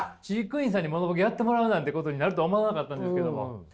飼育員さんにモノボケやってもらうなんてことになるとは思わなかったんですけども。